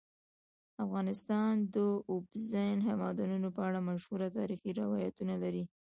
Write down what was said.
افغانستان د اوبزین معدنونه په اړه مشهور تاریخی روایتونه لري.